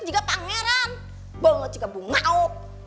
jika pangeran banget juga bungaup